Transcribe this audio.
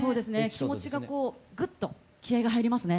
気持ちがこうグッと気合いが入りますね。